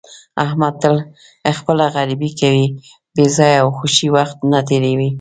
احمد تل خپله غریبي کوي، بې ځایه او خوشې وخت نه تېروي.